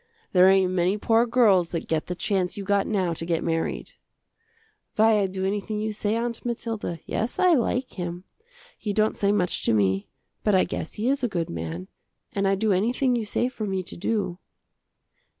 There ain't many poor girls that get the chance you got now to get married." "Why, I do anything you say, Aunt Mathilda. Yes, I like him. He don't say much to me, but I guess he is a good man, and I do anything you say for me to do."